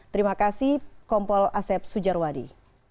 terima kasih kompol asep sujarwadi